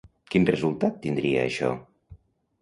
Quin resultat tindria això?